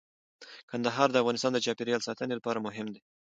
کندهار د افغانستان د چاپیریال ساتنې لپاره مهم دی.